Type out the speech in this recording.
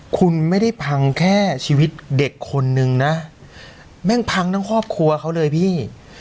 คุณไม่ได้พังแค่ชีวิตเด็กคนนึงนะแม่งพังทั้งครอบครัวเขาเลยพี่